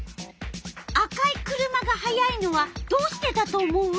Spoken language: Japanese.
赤い車が速いのはどうしてだと思う？